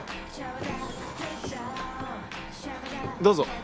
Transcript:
どうぞ。